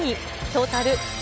トータル